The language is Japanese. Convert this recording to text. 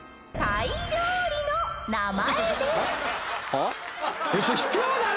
はっ？